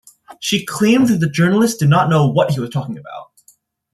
She claimed that the journalist did not know what he was talking about.